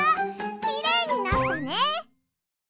きれいになったね！